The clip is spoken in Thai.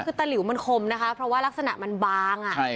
คือตะหลิวมันคมนะคะเพราะว่ารักษณะมันบาง